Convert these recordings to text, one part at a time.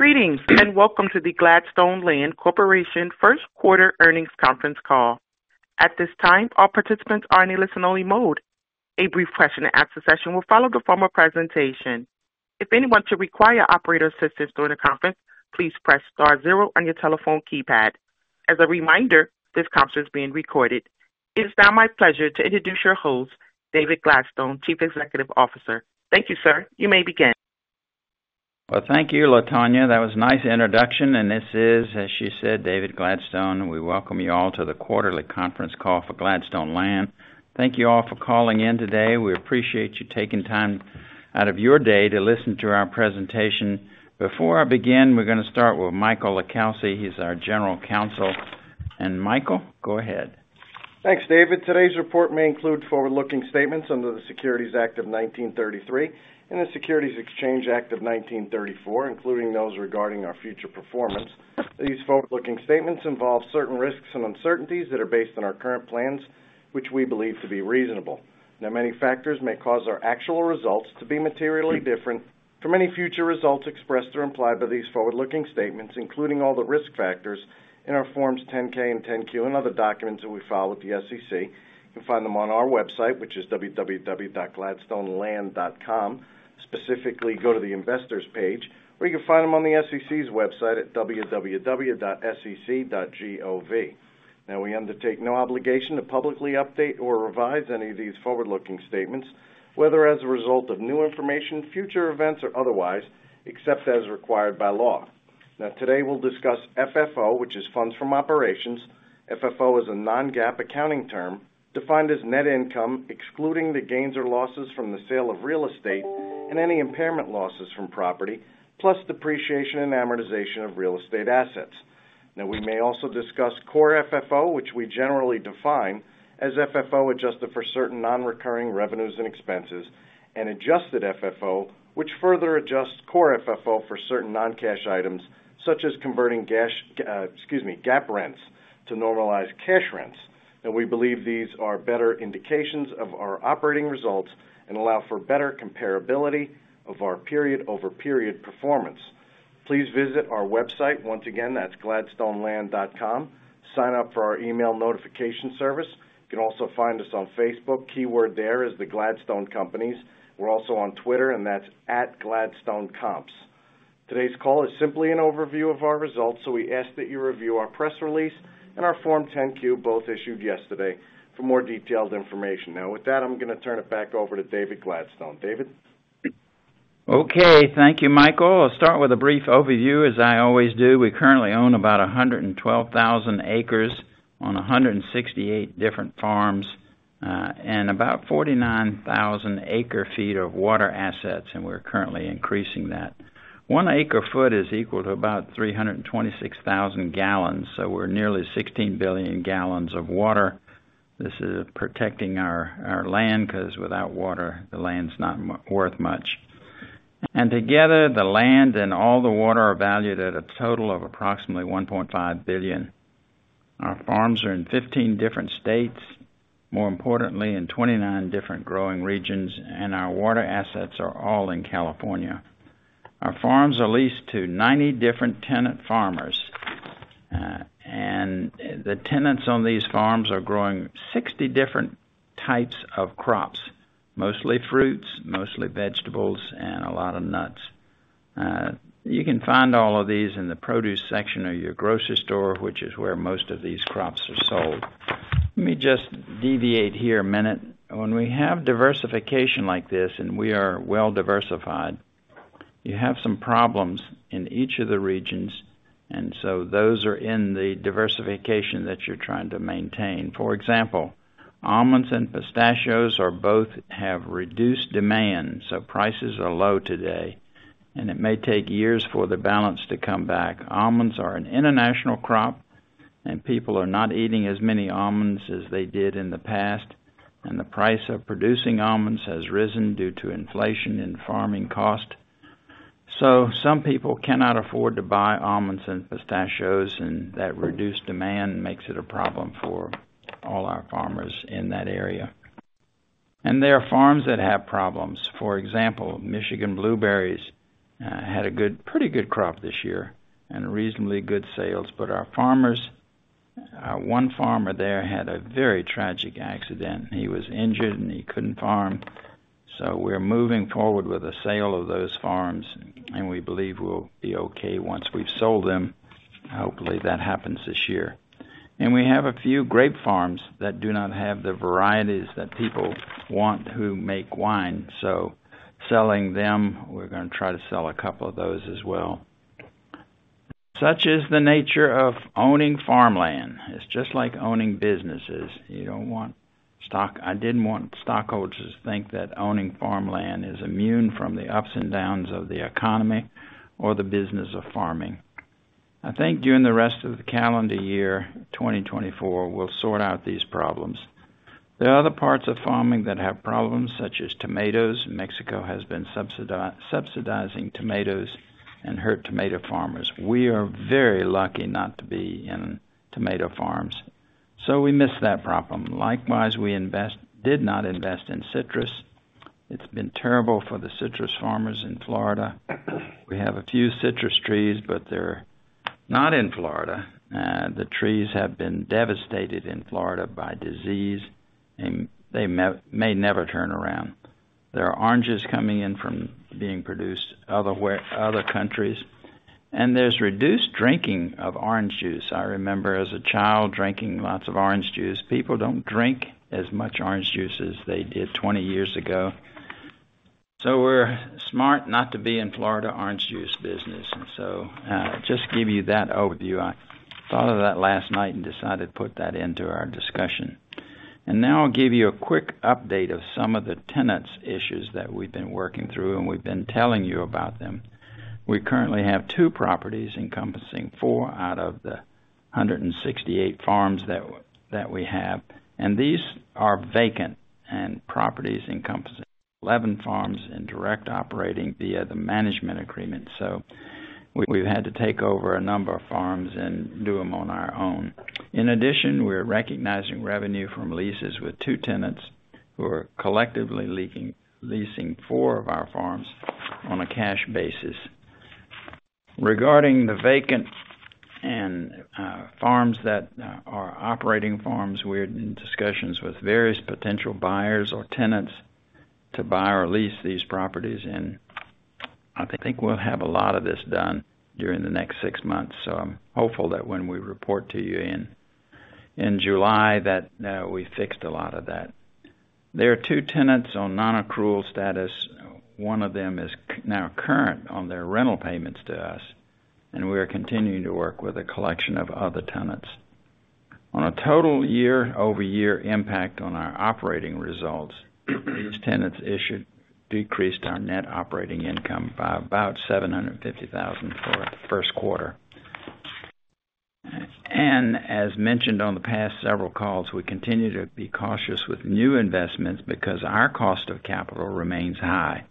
Greetings and welcome to the Gladstone Land Corporation first-quarter earnings conference call. At this time, all participants are in a listen-only mode. A brief question-and-answer session will follow the formal presentation. If anyone should require operator assistance during the conference, please press star 0 on your telephone keypad. As a reminder, this conference is being recorded. It is now my pleasure to introduce your host, David Gladstone, Chief Executive Officer. Thank you, sir. You may begin. Well, thank you, Latonya. That was a nice introduction. And this is, as she said, David Gladstone. We welcome you all to the quarterly conference call for Gladstone Land. Thank you all for calling in today. We appreciate you taking time out of your day to listen to our presentation. Before I begin, we're going to start with Michael LiCalsi. He's our General Counsel. And Michael, go ahead. Thanks, David. Today's report may include forward-looking statements under the Securities Act of 1933 and the Securities Exchange Act of 1934, including those regarding our future performance. These forward-looking statements involve certain risks and uncertainties that are based on our current plans, which we believe to be reasonable. Now, many factors may cause our actual results to be materially different. For many future results expressed or implied by these forward-looking statements, including all the risk factors in our Forms 10-K and 10-Q and other documents that we file with the SEC, you can find them on our website, which is www.gladstoneland.com. Specifically, go to the investors page, or you can find them on the SEC's website at www.sec.gov. Now, we undertake no obligation to publicly update or revise any of these forward-looking statements, whether as a result of new information, future events, or otherwise, except as required by law. Now, today we'll discuss FFO, which is Funds From Operations. FFO is a non-GAAP accounting term defined as net income excluding the gains or losses from the sale of real estate and any impairment losses from property, plus depreciation and amortization of real estate assets. Now, we may also discuss core FFO, which we generally define as FFO adjusted for certain non-recurring revenues and expenses, and adjusted FFO, which further adjusts core FFO for certain non-cash items, such as converting GAAP rents to normalized cash rents. Now, we believe these are better indications of our operating results and allow for better comparability of our period-over-period performance. Please visit our website. Once again, that's gladstoneland.com. Sign up for our email notification service. You can also find us on Facebook. Keyword there is The Gladstone Companies. We're also on Twitter, and that's @gladstonecomps. Today's call is simply an overview of our results, so we ask that you review our press release and our Form 10-Q, both issued yesterday, for more detailed information. Now, with that, I'm going to turn it back over to David Gladstone. David? Okay. Thank you, Michael. I'll start with a brief overview, as I always do. We currently own about 112,000 acres on 168 different farms and about 49,000 acre-feet of water assets, and we're currently increasing that. One acre-foot is equal to about 326,000 gallons, so we're nearly 16 billion gallons of water. This is protecting our land because without water, the land's not worth much. And together, the land and all the water are valued at a total of approximately $1.5 billion. Our farms are in 15 different states, more importantly, in 29 different growing regions, and our water assets are all in California. Our farms are leased to 90 different tenant farmers, and the tenants on these farms are growing 60 different types of crops, mostly fruits, mostly vegetables, and a lot of nuts. You can find all of these in the produce section of your grocery store, which is where most of these crops are sold. Let me just deviate here a minute. When we have diversification like this, and we are well diversified, you have some problems in each of the regions, and so those are in the diversification that you're trying to maintain. For example, almonds and pistachios both have reduced demand, so prices are low today, and it may take years for the balance to come back. Almonds are an international crop, and people are not eating as many almonds as they did in the past, and the price of producing almonds has risen due to inflation and farming cost. So some people cannot afford to buy almonds and pistachios, and that reduced demand makes it a problem for all our farmers in that area. There are farms that have problems. For example, Michigan blueberries had a pretty good crop this year and reasonably good sales, but our farmers, one farmer there, had a very tragic accident. He was injured, and he couldn't farm. So we're moving forward with a sale of those farms, and we believe we'll be okay once we've sold them. Hopefully, that happens this year. And we have a few grape farms that do not have the varieties that people want who make wine, so selling them, we're going to try to sell a couple of those as well. Such is the nature of owning farmland. It's just like owning businesses. You don't want stock. I didn't want stockholders to think that owning farmland is immune from the ups and downs of the economy or the business of farming. I think during the rest of the calendar year, 2024, we'll sort out these problems. There are other parts of farming that have problems, such as tomatoes. Mexico has been subsidizing tomatoes and hurt tomato farmers. We are very lucky not to be in tomato farms, so we miss that problem. Likewise, we did not invest in citrus. It's been terrible for the citrus farmers in Florida. We have a few citrus trees, but they're not in Florida. The trees have been devastated in Florida by disease, and they may never turn around. There are oranges coming in from being produced in other countries, and there's reduced drinking of orange juice. I remember as a child drinking lots of orange juice. People don't drink as much orange juice as they did 20 years ago, so we're smart not to be in Florida orange juice business. And so just to give you that overview, I thought of that last night and decided to put that into our discussion. Now I'll give you a quick update of some of the tenants' issues that we've been working through, and we've been telling you about them. We currently have 2 properties encompassing 4 out of the 168 farms that we have, and these are vacant and properties encompassing 11 farms in direct operating via the management agreement. We've had to take over a number of farms and do them on our own. In addition, we're recognizing revenue from leases with 2 tenants who are collectively leasing 4 of our farms on a cash basis. Regarding the vacant and farms that are operating farms, we're in discussions with various potential buyers or tenants to buy or lease these properties, and I think we'll have a lot of this done during the next six months. So I'm hopeful that when we report to you in July, that we fixed a lot of that. There are two tenants on non-accrual status. One of them is now current on their rental payments to us, and we are continuing to work on collecting from other tenants. The total year-over-year impact on our operating results, these tenants' issues decreased our net operating income by about $750,000 for the Q1. As mentioned on the past several calls, we continue to be cautious with new investments because our cost of capital remains high.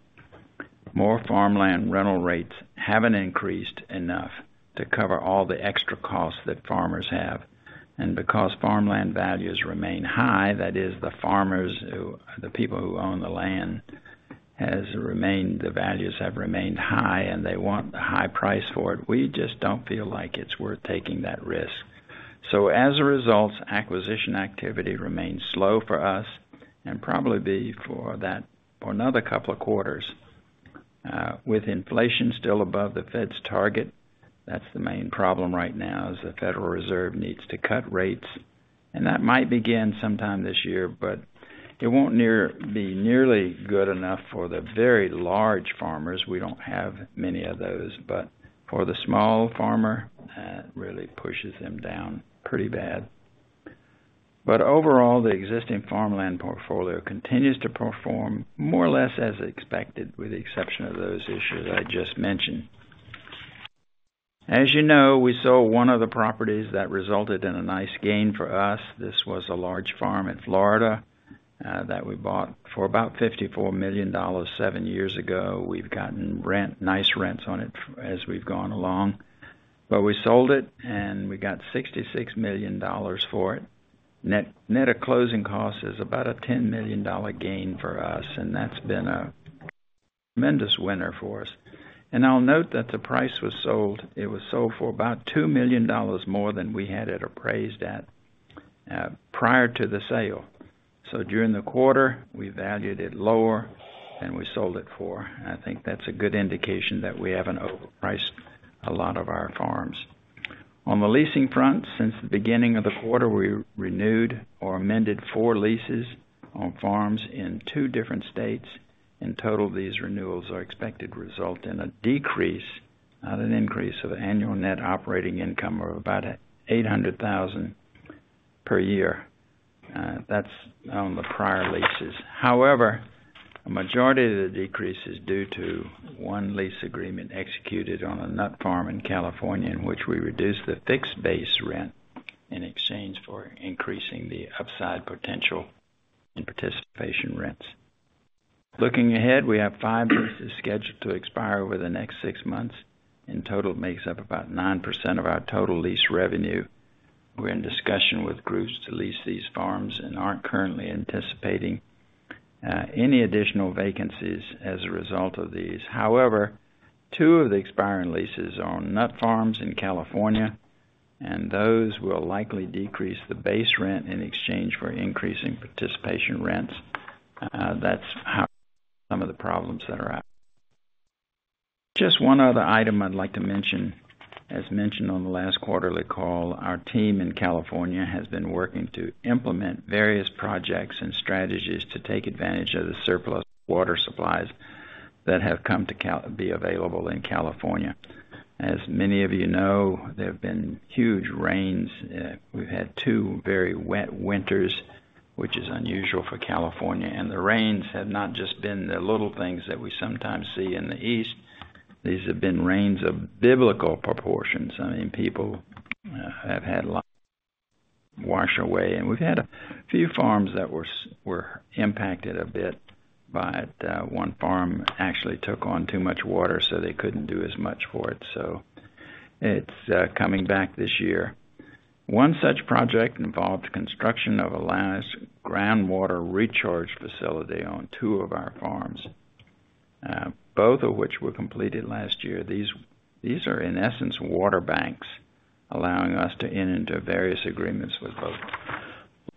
More farmland rental rates haven't increased enough to cover all the extra costs that farmers have. And because farmland values remain high, that is, the people who own the land, the values have remained high, and they want the high price for it. We just don't feel like it's worth taking that risk. So as a result, acquisition activity remains slow for us and probably be for another couple of quarters. With inflation still above the Fed's target, that's the main problem right now, is the Federal Reserve needs to cut rates, and that might begin sometime this year, but it won't be nearly good enough for the very large farmers. We don't have many of those, but for the small farmer, that really pushes them down pretty bad. But overall, the existing farmland portfolio continues to perform more or less as expected, with the exception of those issues I just mentioned. As you know, we sold one of the properties that resulted in a nice gain for us. This was a large farm in Florida that we bought for about $54 million seven years ago. We've gotten nice rents on it as we've gone along, but we sold it, and we got $66 million for it. Net of closing costs is about a $10 million gain for us, and that's been a tremendous winner for us. And I'll note that the price was sold, it was sold for about $2 million more than we had it appraised at prior to the sale. So during the quarter, we valued it lower, and we sold it for. I think that's a good indication that we haven't overpriced a lot of our farms. On the leasing front, since the beginning of the quarter, we renewed or amended 4 leases on farms in 2 different states. In total, these renewals are expected to result in a decrease, not an increase, of annual net operating income of about $800,000 per year. That's on the prior leases. However, a majority of the decrease is due to 1 lease agreement executed on a nut farm in California, in which we reduced the fixed base rent in exchange for increasing the upside potential in participation rents. Looking ahead, we have 5 leases scheduled to expire over the next 6 months. In total, it makes up about 9% of our total lease revenue. We're in discussion with groups to lease these farms and aren't currently anticipating any additional vacancies as a result of these. However, two of the expiring leases are on nut farms in California, and those will likely decrease the base rent in exchange for increasing participation rents. That's some of the problems that are out. Just one other item I'd like to mention. As mentioned on the last quarterly call, our team in California has been working to implement various projects and strategies to take advantage of the surplus water supplies that have come to be available in California. As many of you know, there have been huge rains. We've had two very wet winters, which is unusual for California, and the rains have not just been the little things that we sometimes see in the east. These have been rains of biblical proportions. I mean, people have had wash away, and we've had a few farms that were impacted a bit by it. One farm actually took on too much water, so they couldn't do as much for it, so it's coming back this year. One such project involved the construction of the last groundwater recharge facility on two of our farms, both of which were completed last year. These are, in essence, water banks, allowing us to enter into various agreements with both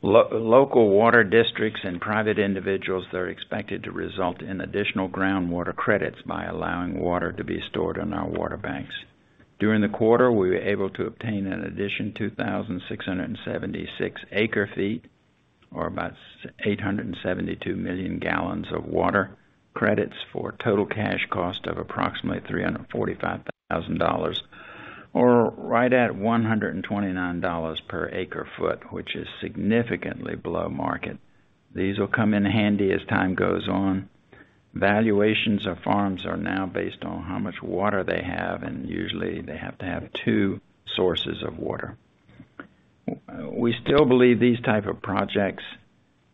local water districts and private individuals that are expected to result in additional groundwater credits by allowing water to be stored in our water banks. During the quarter, we were able to obtain, in addition, 2,676 acre-feet, or about 872 million gallons, of water credits for a total cash cost of approximately $345,000, or right at $129 per acre-foot, which is significantly below market. These will come in handy as time goes on. Valuations of farms are now based on how much water they have, and usually, they have to have two sources of water. We still believe these types of projects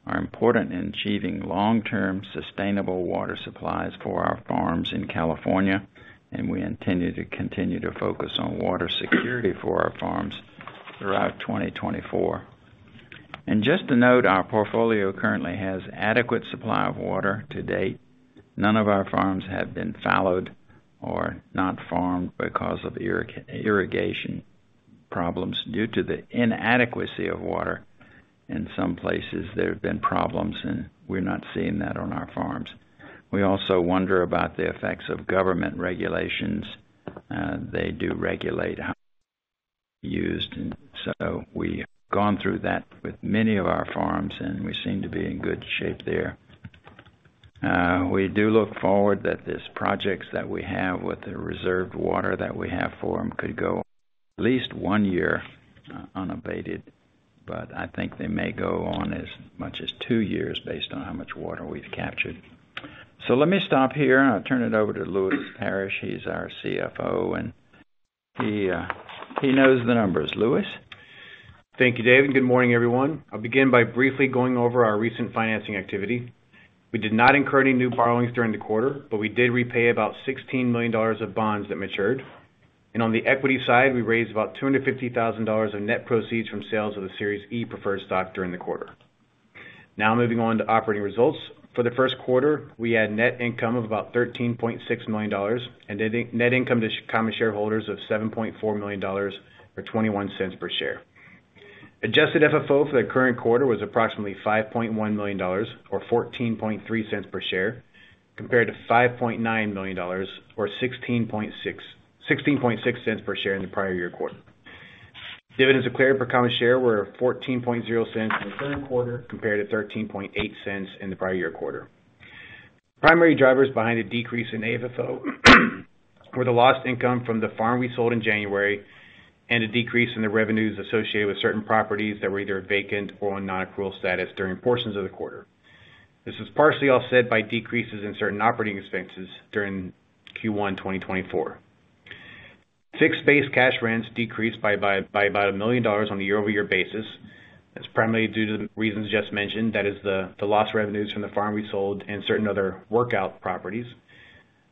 are important in achieving long-term sustainable water supplies for our farms in California, and we intend to continue to focus on water security for our farms throughout 2024. Just to note, our portfolio currently has adequate supply of water to date. None of our farms have been fallowed or not farmed because of irrigation problems. Due to the inadequacy of water in some places, there have been problems, and we're not seeing that on our farms. We also wonder about the effects of government regulations. They do regulate how water is used, and so we've gone through that with many of our farms, and we seem to be in good shape there. We do look forward that these projects that we have with the reserved water that we have for them could go at least one year unabated, but I think they may go on as much as two years based on how much water we've captured. Let me stop here. I'll turn it over to Lewis Parrish. He's our CFO, and he knows the numbers. Lewis? Thank you, David. Good morning, everyone. I'll begin by briefly going over our recent financing activity. We did not incur any new borrowings during the quarter, but we did repay about $16 million of bonds that matured. On the equity side, we raised about $250,000 of net proceeds from sales of the Series E preferred stock during the quarter. Now moving on to operating results. For the Q1, we had net income of about $13.6 million and net income to common shareholders of $7.4 million or $0.21 per share. Adjusted FFO for the current quarter was approximately $5.1 million or $0.143 per share compared to $5.9 million or $0.166 per share in the prior year quarter. Dividends declared per common share were $0.14 in the current quarter compared to $0.138 in the prior year quarter. Primary drivers behind a decrease in AFFO were the lost income from the farm we sold in January and a decrease in the revenues associated with certain properties that were either vacant or in non-accrual status during portions of the quarter. This is partially offset by decreases in certain operating expenses during Q1 2024. Fixed base cash rents decreased by about $1 million on a year-over-year basis. That's primarily due to the reasons just mentioned. That is, the lost revenues from the farm we sold and certain other workout properties.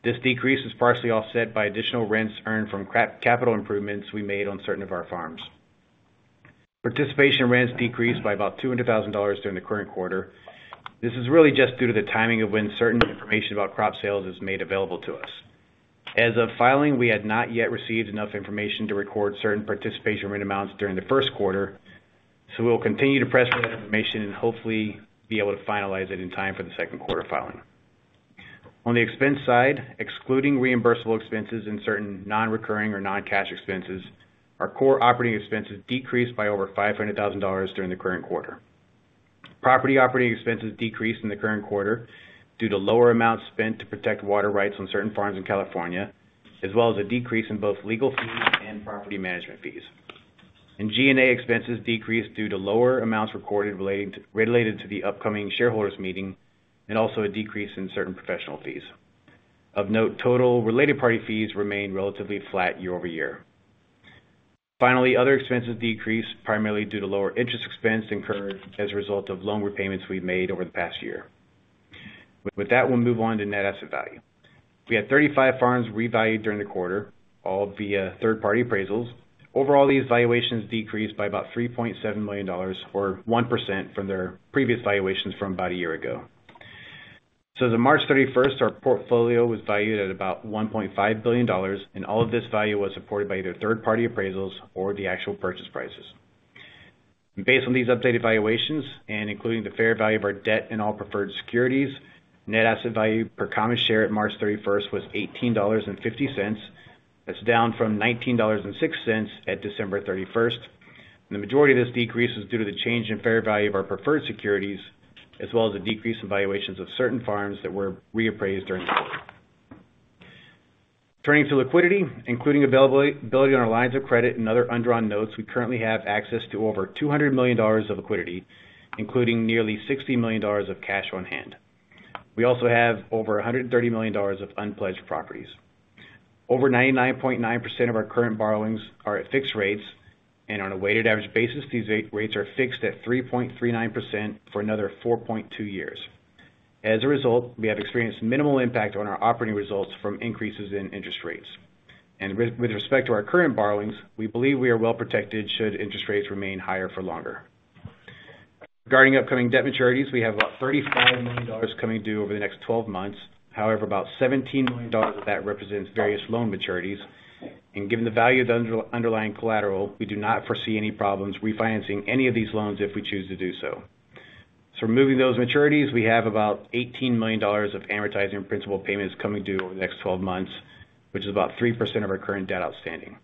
This decrease is partially offset by additional rents earned from capital improvements we made on certain of our farms. Participation rents decreased by about $200,000 during the current quarter. This is really just due to the timing of when certain information about crop sales is made available to us. As of filing, we had not yet received enough information to record certain participation rent amounts during the Q1, so we'll continue to press for that information and hopefully be able to finalize it in time for the Q2 filing. On the expense side, excluding reimbursable expenses and certain non-recurring or non-cash expenses, our core operating expenses decreased by over $500,000 during the current quarter. Property operating expenses decreased in the current quarter due to lower amounts spent to protect water rights on certain farms in California, as well as a decrease in both legal fees and property management fees. G&A expenses decreased due to lower amounts recorded related to the upcoming shareholders' meeting and also a decrease in certain professional fees. Of note, total related party fees remain relatively flat year-over-year. Finally, other expenses decreased primarily due to lower interest expense incurred as a result of loan repayments we've made over the past year. With that, we'll move on to net asset value. We had 35 farms revalued during the quarter, all via third-party appraisals. Overall, these valuations decreased by about $3.7 million or 1% from their previous valuations from about a year ago. As of March 31st, our portfolio was valued at about $1.5 billion, and all of this value was supported by either third-party appraisals or the actual purchase prices. Based on these updated valuations and including the fair value of our debt and all preferred securities, net asset value per common share at March 31st was $18.50. That's down from $19.06 at December 31st. The majority of this decrease was due to the change in fair value of our preferred securities, as well as a decrease in valuations of certain farms that were reappraised during the quarter. Turning to liquidity, including availability on our lines of credit and other undrawn notes, we currently have access to over $200 million of liquidity, including nearly $60 million of cash on hand. We also have over $130 million of unpledged properties. Over 99.9% of our current borrowings are at fixed rates, and on a weighted average basis, these rates are fixed at 3.39% for another 4.2 years. As a result, we have experienced minimal impact on our operating results from increases in interest rates. With respect to our current borrowings, we believe we are well protected should interest rates remain higher for longer. Regarding upcoming debt maturities, we have about $35 million coming due over the next 12 months. However, about $17 million of that represents various loan maturities. Given the value of the underlying collateral, we do not foresee any problems refinancing any of these loans if we choose to do so. Removing those maturities, we have about $18 million of amortizing principal payments coming due over the next 12 months, which is about 3% of our current debt outstanding.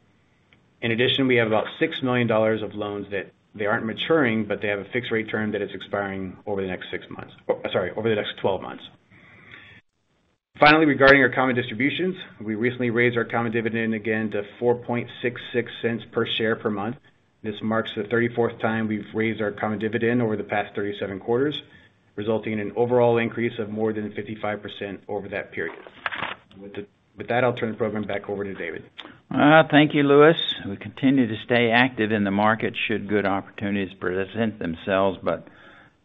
In addition, we have about $6 million of loans that they aren't maturing, but they have a fixed-rate term that is expiring over the next 6 months, sorry, over the next 12 months. Finally, regarding our common distributions, we recently raised our common dividend again to $0.0466 per share per month. This marks the 34th time we've raised our common dividend over the past 37 quarters, resulting in an overall increase of more than 55% over that period. With that, I'll turn the program back over to David. Thank you, Lewis. We continue to stay active in the market should good opportunities present themselves, but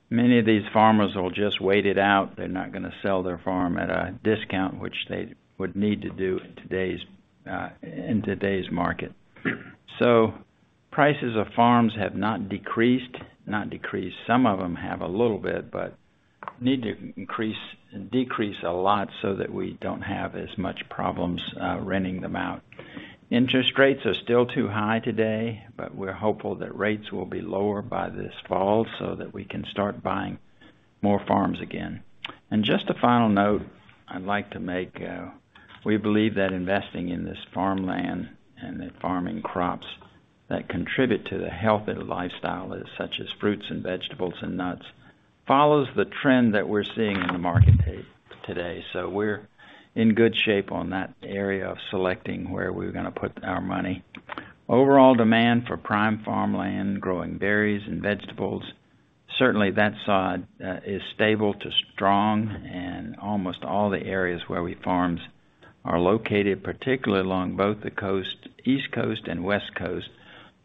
many of these farmers will just wait it out. They're not going to sell their farm at a discount, which they would need to do in today's market. So prices of farms have not decreased. Not decreased. Some of them have a little bit, but need to decrease a lot so that we don't have as much problems renting them out. Interest rates are still too high today, but we're hopeful that rates will be lower by this fall so that we can start buying more farms again. Just a final note I'd like to make. We believe that investing in this farmland and farming crops that contribute to the health of the lifestyle, such as fruits and vegetables and nuts, follows the trend that we're seeing in the market today. We're in good shape on that area of selecting where we're going to put our money. Overall demand for prime farmland, growing berries and vegetables, certainly, that side is stable to strong, and almost all the areas where we farm are located, particularly along both the East Coast and West Coast,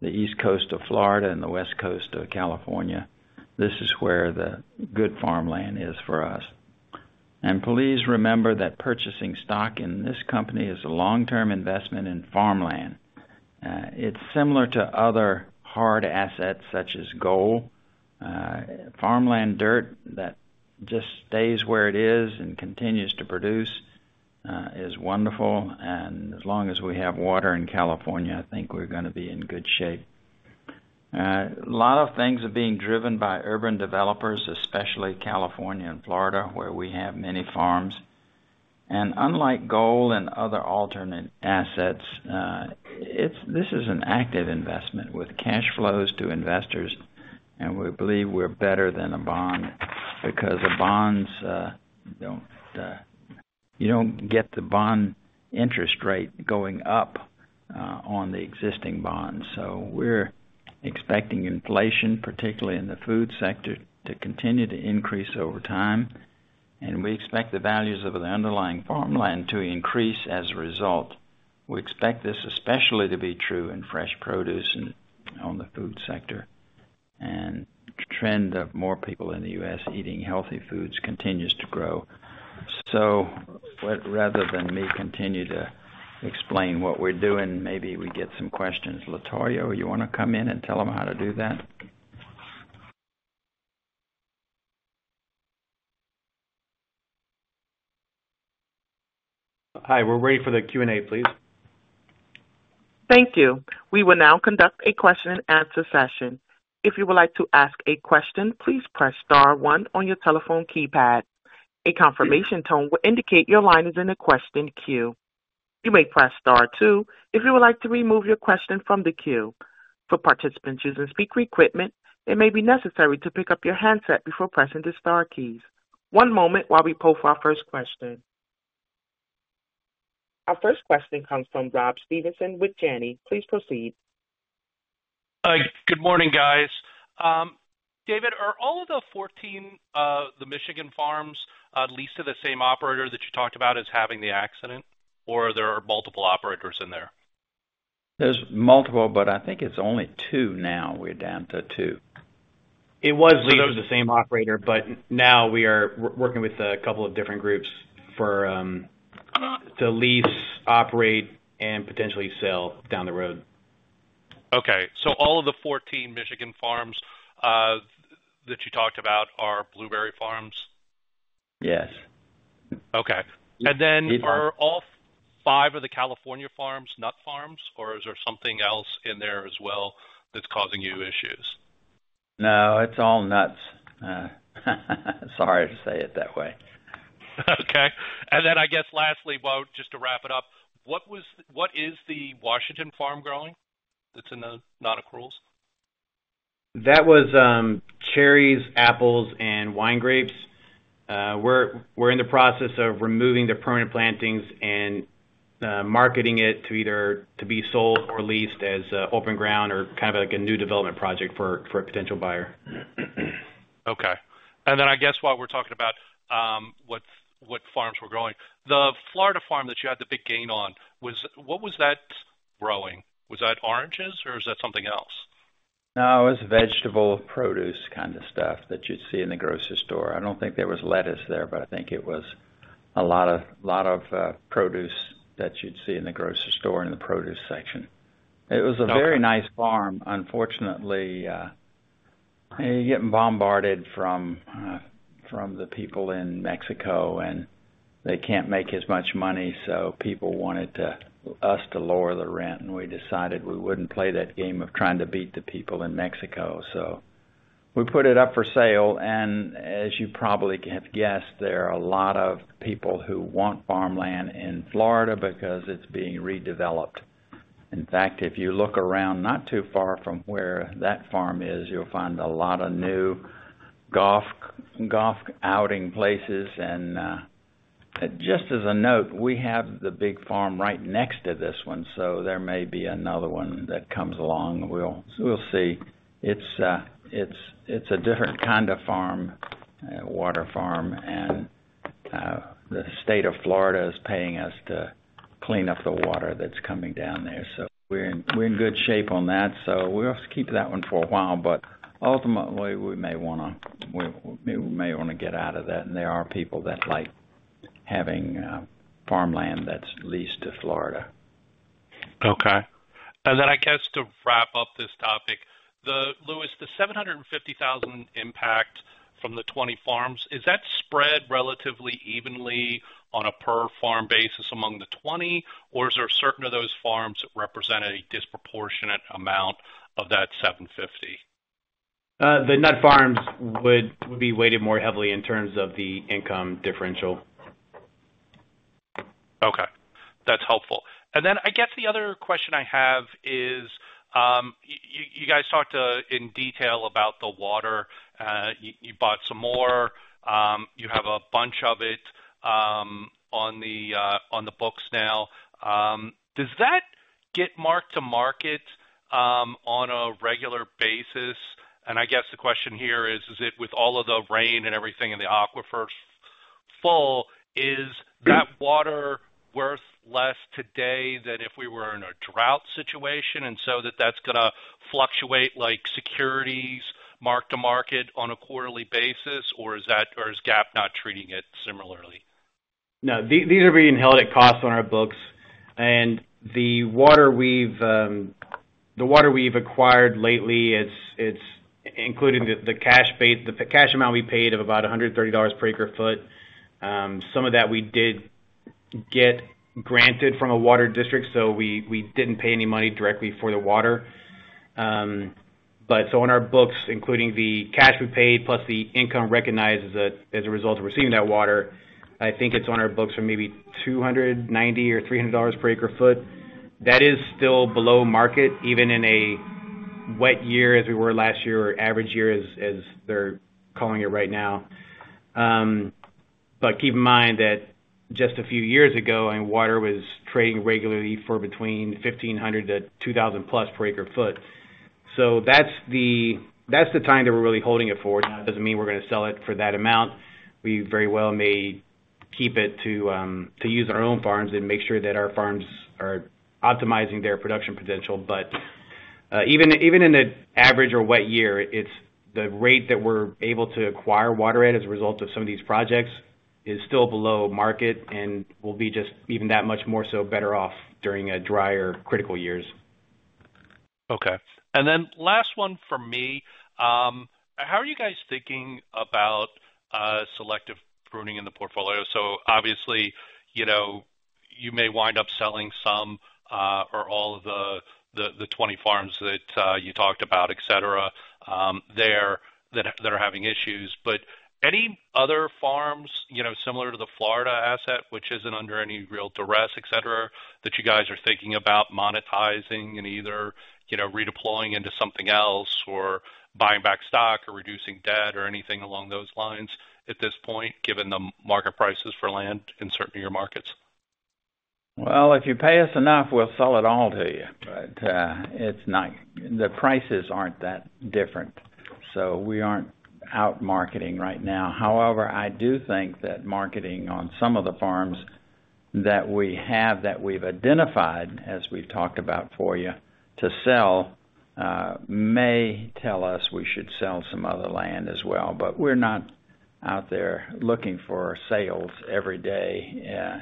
the East Coast of Florida and the West Coast of California. This is where the good farmland is for us. Please remember that purchasing stock in this company is a long-term investment in farmland. It's similar to other hard assets, such as gold. Farmland dirt that just stays where it is and continues to produce is wonderful, and as long as we have water in California, I think we're going to be in good shape. A lot of things are being driven by urban developers, especially California and Florida, where we have many farms. Unlike gold and other alternative assets, this is an active investment with cash flows to investors, and we believe we're better than a bond because a bond is, you don't get the bond interest rate going up on the existing bond. So we're expecting inflation, particularly in the food sector, to continue to increase over time, and we expect the values of the underlying farmland to increase as a result. We expect this especially to be true in fresh produce and on the food sector. And the trend of more people in the U.S. eating healthy foods continues to grow. So rather than me continue to explain what we're doing, maybe we get some questions. Latonya, you want to come in and tell them how to do that? Hi. We're waiting for the Q&A, please. Thank you. We will now conduct a question-and-answer session. If you would like to ask a question, please press star one on your telephone keypad. A confirmation tone will indicate your line is in the question queue. You may press star two if you would like to remove your question from the queue. For participants using speaker equipment, it may be necessary to pick up your handset before pressing the star keys. One moment while we poll for our first question. Our first question comes from Rob Stevenson with Janney. Please proceed. Good morning, guys. David, are all of the 14 of the Michigan farms leased to the same operator that you talked about as having the accident, or are there multiple operators in there?. Here's multiple, but I think it's only two now. We're down to two. It was leased to the same operator, but now we are working with a couple of different groups to lease, operate, and potentially sell down the road. Okay. So all of the 14 Michigan farms that you talked about are blueberry farms? Yes. Okay. And then are all 5 of the California farms nut farms, or is there something else in there as well that's causing you issues? No. It's all nuts. Sorry to say it that way. Okay. And then I guess lastly, just to wrap it up, what is the Washington farm growing that's in the non-accruals? That was cherries, apples, and wine grapes. We're in the process of removing the permanent plantings and marketing it to be sold or leased as open ground or kind of like a new development project for a potential buyer. Okay. And then I guess while we're talking about what farms were growing, the Florida farm that you had the big gain on, what was that growing? Was that oranges, or is that something else? No. It was vegetable produce kind of stuff that you'd see in the grocery store. I don't think there was lettuce there, but I think it was a lot of produce that you'd see in the grocery store in the produce section. It was a very nice farm. Unfortunately, you're getting bombarded from the people in Mexico, and they can't make as much money, so people wanted us to lower the rent, and we decided we wouldn't play that game of trying to beat the people in Mexico. So we put it up for sale, and as you probably have guessed, there are a lot of people who want farmland in Florida because it's being redeveloped. In fact, if you look around not too far from where that farm is, you'll find a lot of new golf outing places. Just as a note, we have the big farm right next to this one, so there may be another one that comes along. We'll see. It's a different kind of water, and the state of Florida is paying us to clean up the water that's coming down there. We're in good shape on that, so we'll keep that one for a while, but ultimately, we may want to we may want to get out of that, and there are people that like having farmland that's leased to Florida. Okay. And then I guess to wrap up this topic, Lewis, the $750,000 impact from the 20 farms, is that spread relatively evenly on a per-farm basis among the 20, or is there certain of those farms that represent a disproportionate amount of that $750? The nut farms would be weighted more heavily in terms of the income differential. Okay. That's helpful. And then I guess the other question I have is you guys talked in detail about the water. You bought some more. You have a bunch of it on the books now. Does that get marked to market on a regular basis? And I guess the question here is, is it with all of the rain and everything and the aquifers full, is that water worth less today than if we were in a drought situation, and so that's going to fluctuate, securities marked to market on a quarterly basis, or is GAAP not treating it similarly? No. These are being held at cost on our books, and the water we've acquired lately, including the cash amount we paid of about $130 per acre-foot, some of that we did get granted from a water district, so we didn't pay any money directly for the water. So on our books, including the cash we paid plus the income recognized as a result of receiving that water, I think it's on our books for maybe $290 or $300 per acre-foot. That is still below market, even in a wet year as we were last year or average year as they're calling it right now. But keep in mind that just a few years ago, I mean, water was trading regularly for between $1,500-$2,000+ per acre-foot. So that's the time that we're really holding it for. Now, it doesn't mean we're going to sell it for that amount. We very well may keep it to use our own farms and make sure that our farms are optimizing their production potential. But even in an average or wet year, the rate that we're able to acquire water at as a result of some of these projects is still below market and will be just even that much more so better off during drier critical years. Okay. And then last one from me. How are you guys thinking about selective pruning in the portfolio? So obviously, you may wind up selling some or all of the 20 farms that you talked about, etc., there that are having issues. But any other farms similar to the Florida asset, which isn't under any real duress, etc., that you guys are thinking about monetizing and either redeploying into something else or buying back stock or reducing debt or anything along those lines at this point, given the market prices for land in certain of your markets? Well, if you pay us enough, we'll sell it all to you. But the prices aren't that different, so we aren't out-marketing right now. However, I do think that marketing on some of the farms that we have that we've identified, as we've talked about for you, to sell may tell us we should sell some other land as well. But we're not out there looking for sales every day.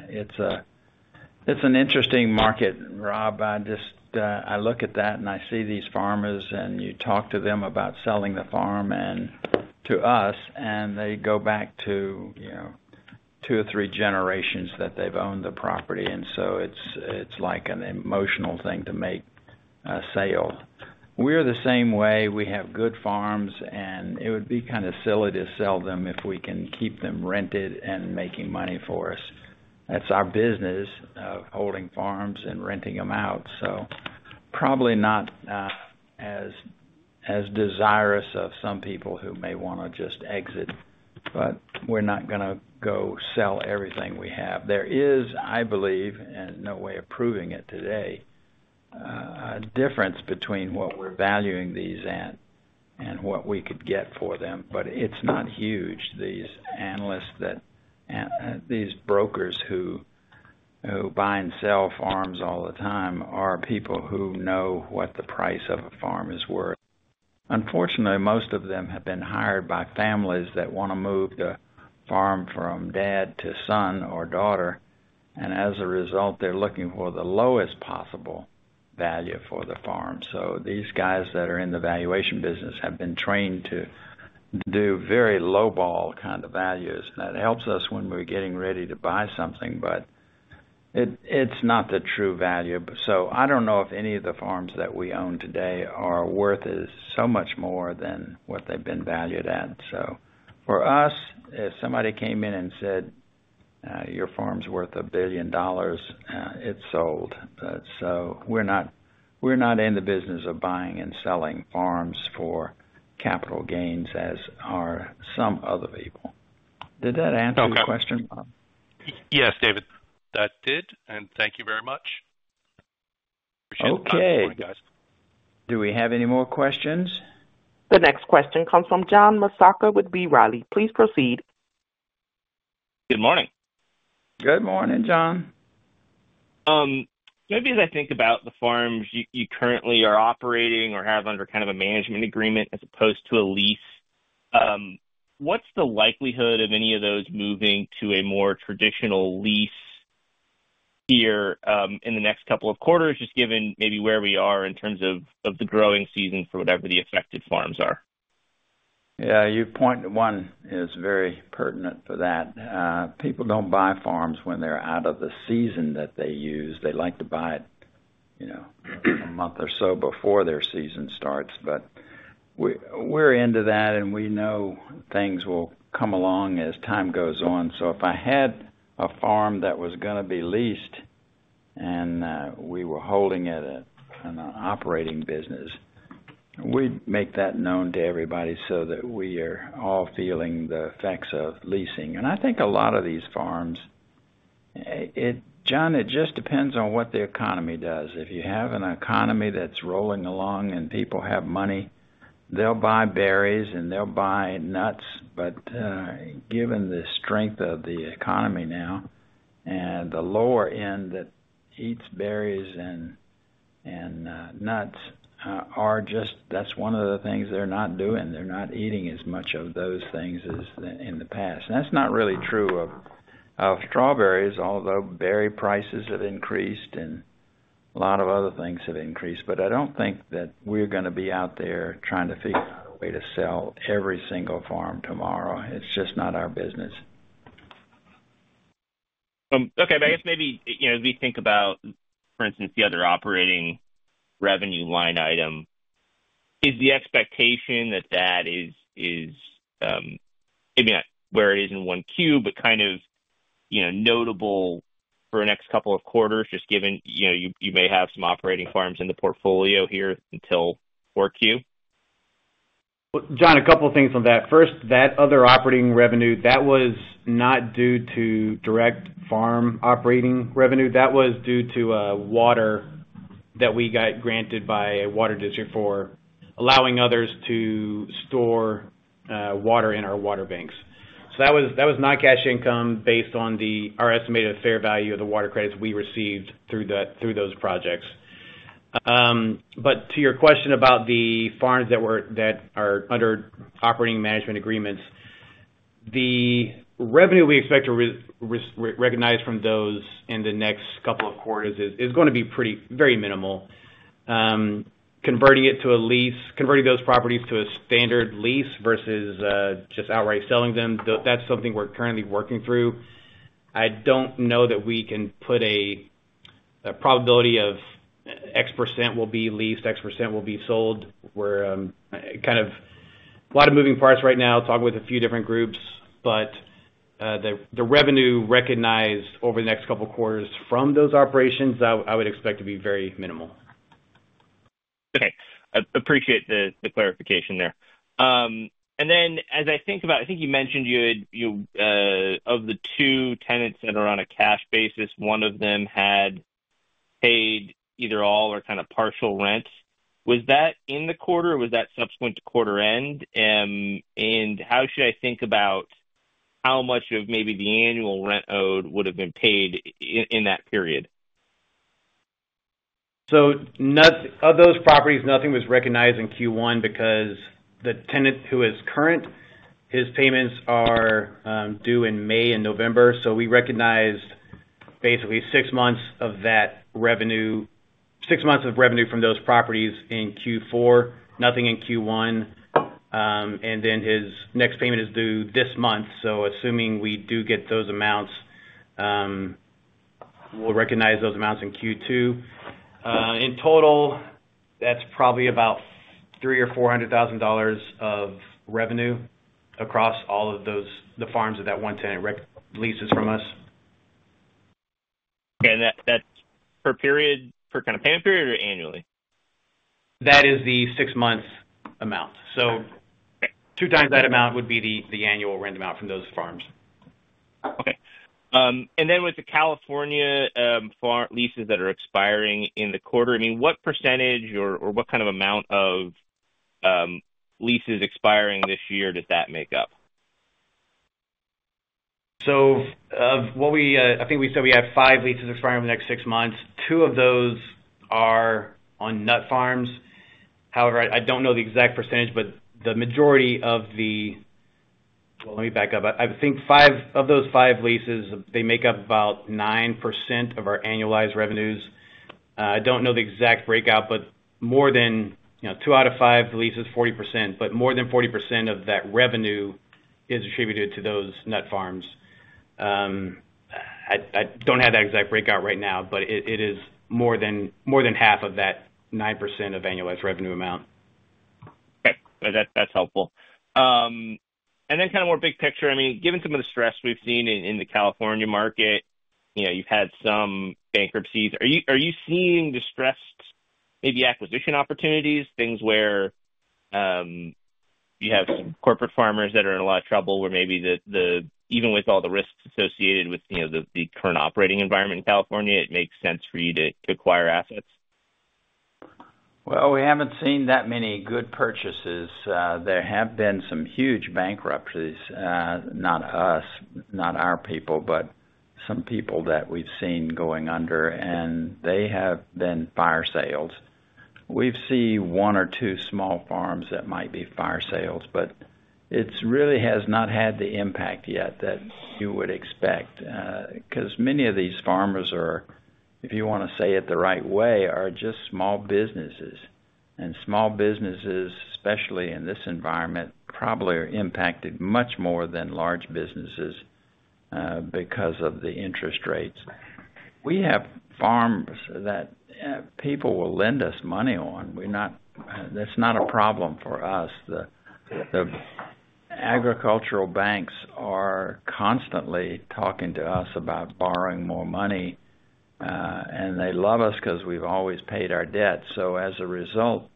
It's an interesting market, Rob. I look at that, and I see these farmers, and you talk to them about selling the farm to us, and they go back to two or three generations that they've owned the property, and so it's an emotional thing to make a sale. We're the same way. We have good farms, and it would be kind of silly to sell them if we can keep them rented and making money for us. It's our business of holding farms and renting them out, so probably not as desirous of some people who may want to just exit, but we're not going to go sell everything we have. There is, I believe, and no way of proving it today, a difference between what we're valuing these at and what we could get for them, but it's not huge. These brokers who buy and sell farms all the time are people who know what the price of a farm is worth. Unfortunately, most of them have been hired by families that want to move the farm from dad to son or daughter, and as a result, they're looking for the lowest possible value for the farm. So these guys that are in the valuation business have been trained to do very low-ball kind of values, and that helps us when we're getting ready to buy something, but it's not the true value. So I don't know if any of the farms that we own today are worth so much more than what they've been valued at. So for us, if somebody came in and said, "Your farm's worth $1 billion," it's sold. So we're not in the business of buying and selling farms for capital gains as are some other people. Did that answer your question, Rob? Yes, David. That did, and thank you very much. Appreciate the time, everyone, guys. Okay. Do we have any more questions? The next question comes from John Massocca with B. Riley. Please proceed. Good morning. Good morning, John. Maybe as I think about the farms you currently are operating or have under kind of a management agreement as opposed to a lease, what's the likelihood of any of those moving to a more traditional lease here in the next couple of quarters, just given maybe where we are in terms of the growing season for whatever the affected farms are? Yeah. Your point one is very pertinent for that. People don't buy farms when they're out of the season that they use. They like to buy it a month or so before their season starts, but we're into that, and we know things will come along as time goes on. So if I had a farm that was going to be leased and we were holding it in an operating business, we'd make that known to everybody so that we are all feeling the effects of leasing. And I think a lot of these farms, John, it just depends on what the economy does. If you have an economy that's rolling along and people have money, they'll buy berries and they'll buy nuts. But given the strength of the economy now and the lower end that eats berries and nuts, that's one of the things they're not doing. They're not eating as much of those things as in the past. And that's not really true of strawberries, although berry prices have increased and a lot of other things have increased. But I don't think that we're going to be out there trying to figure out a way to sell every single farm tomorrow. It's just not our business. Okay. But I guess maybe as we think about, for instance, the other operating revenue line item, is the expectation that that is maybe not where it is in 1Q, but kind of notable for the next couple of quarters, just given you may have some operating farms in the portfolio here until 4Q? John, a couple of things on that. First, that other operating revenue, that was not due to direct farm operating revenue. That was due to water that we got granted by a water district for allowing others to store water in our water banks. So that was non-cash income based on our estimated fair value of the water credits we received through those projects. But to your question about the farms that are under operating management agreements, the revenue we expect to recognize from those in the next couple of quarters is going to be very minimal. Converting those properties to a standard lease versus just outright selling them, that's something we're currently working through. I don't know that we can put a probability of X% will be leased, X% will be sold. We're kind of a lot of moving parts right now, talking with a few different groups, but the revenue recognized over the next couple of quarters from those operations, I would expect to be very minimal. Okay. Appreciate the clarification there. And then as I think about it, I think you mentioned of the 2 tenants that are on a cash basis, one of them had paid either all or kind of partial rent. Was that in the quarter, or was that subsequent to quarter end? And how should I think about how much of maybe the annual rent owed would have been paid in that period? So of those properties, nothing was recognized in Q1 because the tenant who is current, his payments are due in May and November. So we recognized basically 6 months of that revenue 6 months of revenue from those properties in Q4, nothing in Q1. And then his next payment is due this month. So assuming we do get those amounts, we'll recognize those amounts in Q2. In total, that's probably about $300,000-$400,000 of revenue across all of the farms that that one tenant leases from us. Okay. And that's per kind of payment period or annually? That is the six-month amount. So 2 times that amount would be the annual rent amount from those farms. Okay. And then with the California leases that are expiring in the quarter, I mean, what percentage or what kind of amount of leases expiring this year does that make up? So I think we said we have 5 leases expiring over the next six months. 2 of those are on nut farms. However, I don't know the exact percentage, but the majority of the, well, let me back up. I think of those 5 leases, they make up about 9% of our annualized revenues. I don't know the exact breakout, but more than 2 out of 5 leases, 40%. But more than 40% of that revenue is attributed to those nut farms. I don't have that exact breakout right now, but it is more than half of that 9% of annualized revenue amount. Okay. That's helpful. Then kind of more big picture, I mean, given some of the stress we've seen in the California market, you've had some bankruptcies. Are you seeing distressed, maybe, acquisition opportunities, things where you have some corporate farmers that are in a lot of trouble, where maybe even with all the risks associated with the current operating environment in California, it makes sense for you to acquire assets? Well, we haven't seen that many good purchases. There have been some huge bankruptcies, not us, not our people, but some people that we've seen going under, and they have been fire sales. We've seen one or two small farms that might be fire sales, but it really has not had the impact yet that you would expect because many of these farmers are, if you want to say it the right way, are just small businesses. Small businesses, especially in this environment, probably are impacted much more than large businesses because of the interest rates. We have farms that people will lend us money on. That's not a problem for us. The agricultural banks are constantly talking to us about borrowing more money, and they love us because we've always paid our debt. So as a result,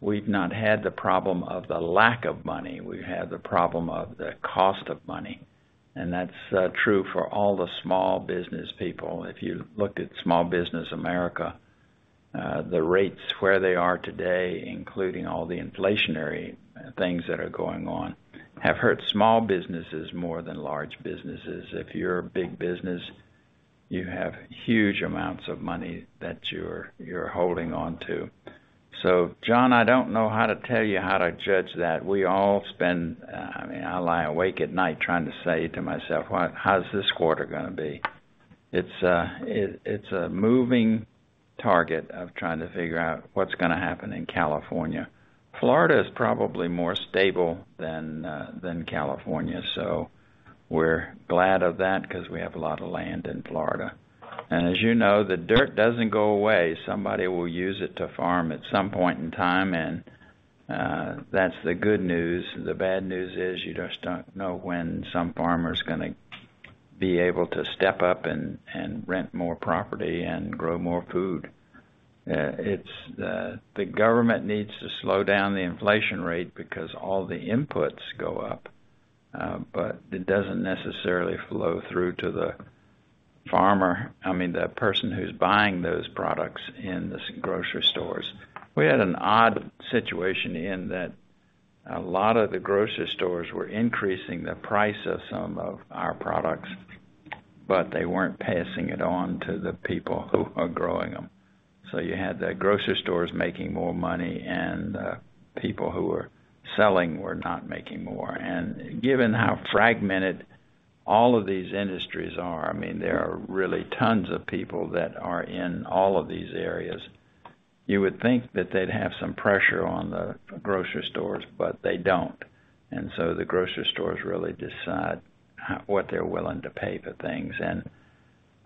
we've not had the problem of the lack of money. We've had the problem of the cost of money. That's true for all the small business people. If you looked at Small Business America, the rates where they are today, including all the inflationary things that are going on, have hurt small businesses more than large businesses. If you're a big business, you have huge amounts of money that you're holding onto. So John, I don't know how to tell you how to judge that. I mean, I lie awake at night trying to say to myself, "How's this quarter going to be?" It's a moving target of trying to figure out what's going to happen in California. Florida is probably more stable than California, so we're glad of that because we have a lot of land in Florida. As you know, the dirt doesn't go away. Somebody will use it to farm at some point in time, and that's the good news. The bad news is you just don't know when some farmer's going to be able to step up and rent more property and grow more food. The government needs to slow down the inflation rate because all the inputs go up, but it doesn't necessarily flow through to the farmer, I mean, the person who's buying those products in the grocery stores. We had an odd situation in that a lot of the grocery stores were increasing the price of some of our products, but they weren't passing it on to the people who are growing them. So you had the grocery stores making more money, and the people who were selling were not making more. And given how fragmented all of these industries are, I mean, there are really tons of people that are in all of these areas, you would think that they'd have some pressure on the grocery stores, but they don't. And so the grocery stores really decide what they're willing to pay for things. And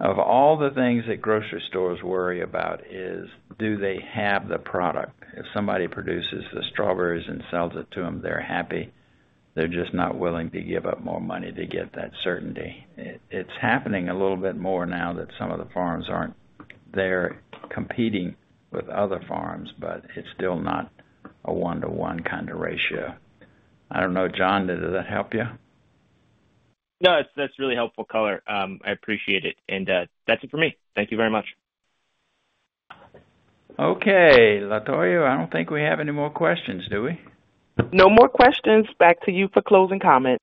of all the things that grocery stores worry about is, do they have the product? If somebody produces the strawberries and sells it to them, they're happy. They're just not willing to give up more money to get that certainty. It's happening a little bit more now that some of the farms aren't there competing with other farms, but it's still not a one-to-one kind of ratio. I don't know, John, did that help you? No, that's really helpful color. I appreciate it. And that's it for me. Thank you very much. Okay. Latonya, I don't think we have any more questions, do we? No more questions. Back to you for closing comments.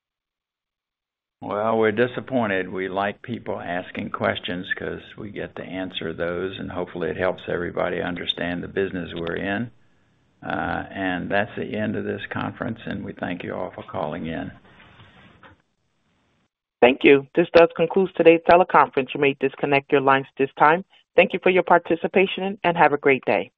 Well, we're disappointed. We like people asking questions because we get to answer those, and hopefully, it helps everybody understand the business we're in. And that's the end of this conference, and we thank you all for calling in. Thank you. This does conclude today's teleconference. You may disconnect your lines at this time. Thank you for your participation, and have a great day.